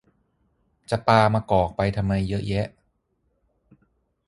จะปามะกอกไปทำไมเยอะแยะ